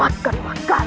untuk membuat benih